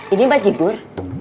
ini bajik bur